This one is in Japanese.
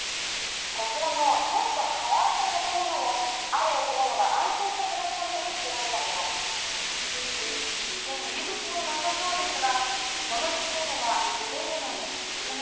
こちらのちょっと変わった建物もある生き物が安心して暮らすために造られたもの一見入り口もなさそうですがその生き物は建物の側面